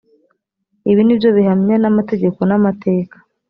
ibi ni byo bihamya n amategeko n amateka